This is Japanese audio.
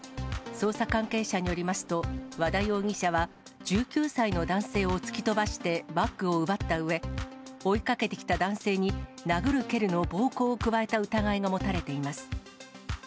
捜査関係者によりますと、和田容疑者は１９歳の男性を突き飛ばして、バッグを奪ったうえ、追いかけてきた男性に殴る蹴るの暴行を加えた疑いが持たれています。